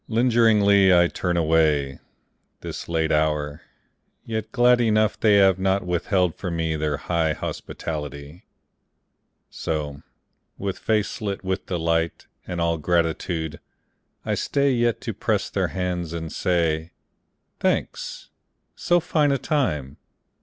Lingeringly I turn away, This late hour, yet glad enough They have not withheld from me Their high hospitality. So, with face lit with delight And all gratitude, I stay Yet to press their hands and say, "Thanks. So fine a time